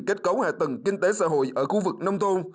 kết cấu hạ tầng kinh tế xã hội ở khu vực nông thôn